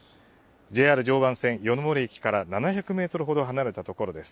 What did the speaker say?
ＪＲ常磐線夜ノ森駅から７００メートルほど離れた所です。